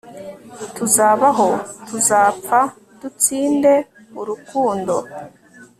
tuzabaho, tuzapfa, dutsinde urukundo